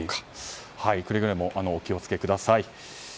くれぐれもお気を付けください。